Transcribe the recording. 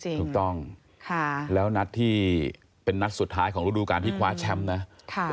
ถูกต้องแล้วนัดที่เป็นนัดสุดท้ายของฤดูการที่คว้าแชมป์นะ